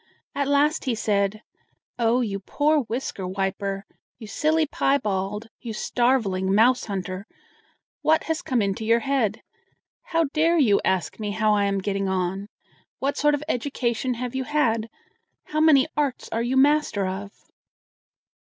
At last he said: "Oh, you poor whisker wiper, you silly piebald, you starveling mouse hunter! what has come into your head? How dare you ask me how I am getting on? What sort of education have you had? How many arts are you master of?"